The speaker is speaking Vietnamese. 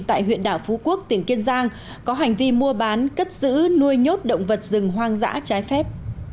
tại huyện đảo phú quốc tỉnh kiên giang có hành vi mua bán cất giữ nuôi nhốt động vật rừng hoang dã trái phép